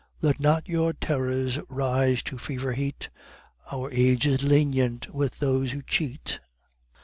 "Let not your terrors rise to fever heat, Our age is lenient with those who cheat.